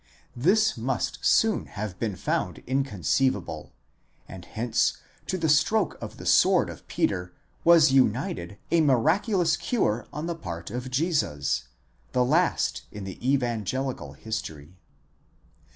This must soon have been found inconceivable, and hence to the stroke of the sword of Peter was united a miraculous cure on the part of Jesus—the last in the evan gelical history.